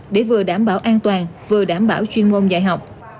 để vừa đảm bảo an toàn vừa đảm bảo chuyên môn dạy học